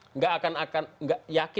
enggak akan akan yakin